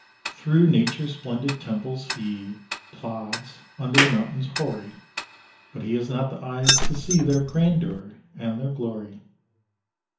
Through Nature's splendid temples he Plods, under mountains hoary; But he has not the eyes to see Their grandeur and their glory.